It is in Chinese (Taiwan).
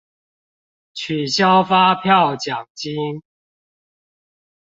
取消發票獎金